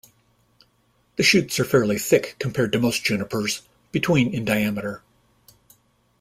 The shoots are fairly thick compared to most junipers, between in diameter.